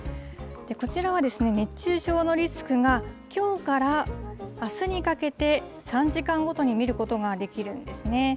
こちらはですね、熱中症のリスクがきょうからあすにかけて、３時間ごとに見ることができるんですね。